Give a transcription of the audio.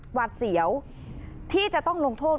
หวัดเสียวที่จะต้องลงโทษ